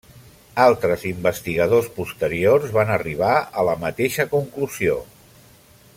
Altres investigadors posteriors van arribar a la mateixa conclusió.